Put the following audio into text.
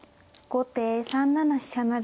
後手３七飛車成。